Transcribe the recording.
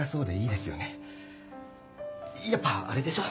やっぱあれでしょ？